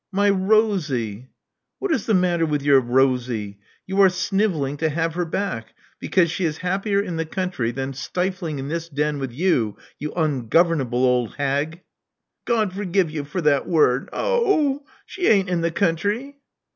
My Rosie." •*What is the matter with your Rosie? You are snivelling to have her back because she is happier in the country than stifling in this den with you, you ungovernable old hag," God forgive you for that word— ohoo! She ain't in the country."